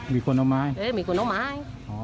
มีชายถ้อไม้